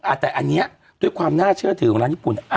แต่อันนี้ด้วยความน่าเชื่อถือของร้านญี่ปุ่น